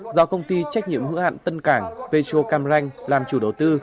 do công ty trách nhiệm hữu hạn tân cảng petro cam ranh làm chủ đầu tư